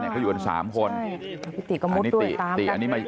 แล้วอยู่กันสามคนตีกอมทด้วยตามตัดให้เยอะ